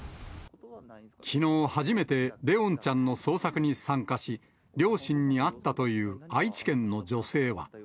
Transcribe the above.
きのう、初めて怜音ちゃんの捜索に参加し、両親に会ったという愛知県の女性は。